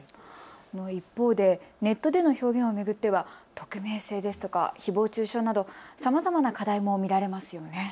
一方でネットでの表現を巡っては匿名性ですとかひぼう中傷などさまざまな課題も見られますよね。